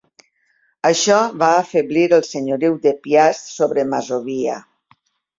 Això va afeblir el senyoriu de Piast sobre Masovia.